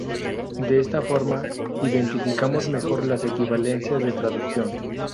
De esta forma, identificamos mejor las equivalencias de traducción.